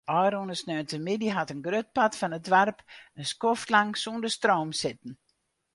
Ofrûne sneontemiddei hat in grut part fan it doarp in skoftlang sûnder stroom sitten.